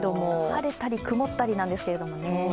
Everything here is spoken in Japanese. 晴れたり曇ったりなんですけどもね。